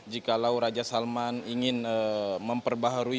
jika raja salman ingin memperbaharuan